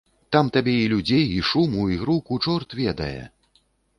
Там табе і людзей, і шуму, і груку, чорт ведае.